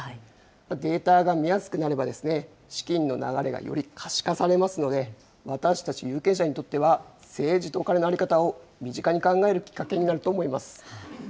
データが見やすくなれば、資金の流れがより可視化されますので、私たち有権者にとっては、政治とお金の在り方を身近に考えるきっかけになると思います。